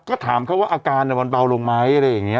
ก็ถามเขาว่าอาการมันเบาลงไหมอะไรอย่างนี้